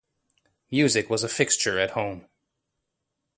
Music was a fixture at home.